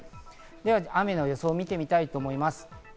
では雨の予想を見てみたいと思います。